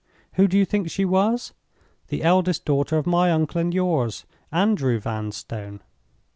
Who do you think she was? The eldest daughter of my uncle and yours—Andrew Vanstone.